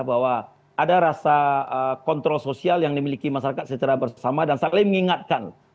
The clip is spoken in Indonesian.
bahwa ada rasa kontrol sosial yang dimiliki masyarakat secara bersama dan saling mengingatkan